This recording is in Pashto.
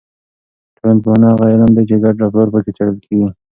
ټولنپوهنه هغه علم دی چې ګډ رفتار پکې څېړل کیږي.